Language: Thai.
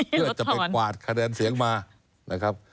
เพื่อจะไปกวาดคะแนนเสียงมา